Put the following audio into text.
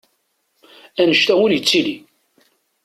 Annect-a ur yettili!